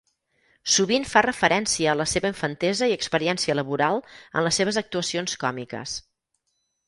Sovint fa referència a la seva infantesa i experiència laboral en les seves actuacions còmiques.